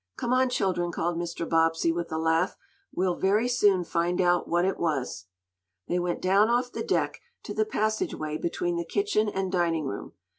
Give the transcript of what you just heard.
"Come on, children," called Mr. Bobbsey, with a laugh. "We'll very soon find out what it was." They went down off the deck, to the passageway between the kitchen and dining room.